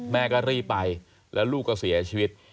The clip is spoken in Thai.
แม่ก็รีบไปแล้วลูกก็เสียชีวิต